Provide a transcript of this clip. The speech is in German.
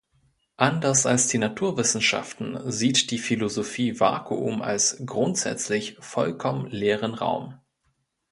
Anders als die Naturwissenschaften sieht die Philosophie "Vakuum" als grundsätzlich "vollkommen leeren" Raum.